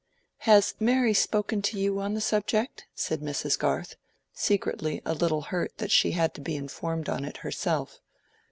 "Has Mary spoken to you on the subject?" said Mrs Garth, secretly a little hurt that she had to be informed on it herself.